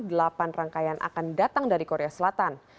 delapan rangkaian akan datang dari korea selatan